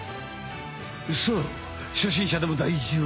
さあ初心者でも大丈夫。